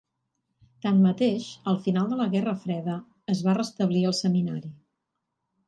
Tanmateix, al final de la Guerra Freda, es va restablir el seminari.